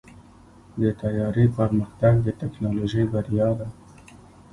د طیارې پرمختګ د ټیکنالوژۍ بریا ده.